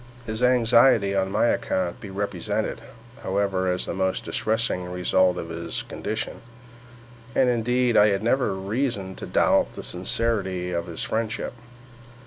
His anxiety on my account he represented, however, as the most distressing result of his condition; and, indeed, I had never reason to doubt the sincerity of his friendship.